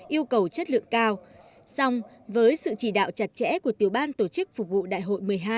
yêu cầu chất lượng cao song với sự chỉ đạo chặt chẽ của tiểu ban tổ chức phục vụ đại hội một mươi hai